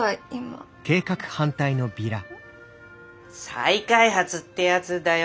再開発ってやつだよ。